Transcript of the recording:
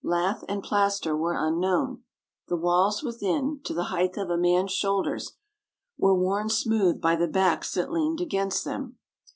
Lath and plaster were unknown. The walls within, to the height of a man's shoulders, were worn smooth by the backs that leaned against them.